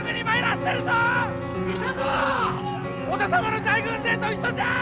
織田様の大軍勢と一緒じゃ！